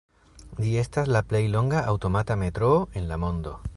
Ĝi estas la plej longa aŭtomata metroo en la mondo.